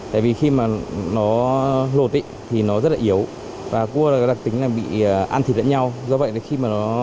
tại vì khi mà nó lột thì nó rất là yếu và cua đặc tính là bị ăn thịt lẫn nhau do vậy khi mà nó